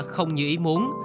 không như ý muốn